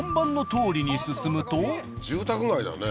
住宅街だね。